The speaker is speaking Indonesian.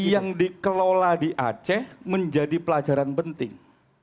yang dikelola di aceh menjadi pelajaran penting